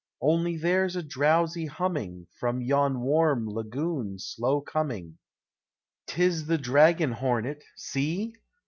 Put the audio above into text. Only there 's a drowsy humming From yon warm lagoon slow coming: >T is the dragon hornet— see